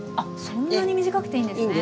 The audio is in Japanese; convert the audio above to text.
そんなに短くていいんですね。